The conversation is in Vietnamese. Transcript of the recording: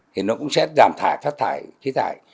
thì nó cũng sẽ giảm thải phát thải khí thải